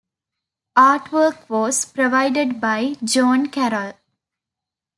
Artwork was provided by John Carroll.